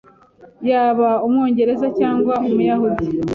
Yaba Umwongereza cyangwa Umuyahudi